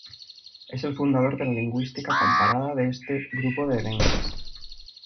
Es el fundador de la lingüística comparada de este grupo de lenguas.